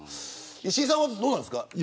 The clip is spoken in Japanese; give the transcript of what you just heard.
石井さんはどうなんですか。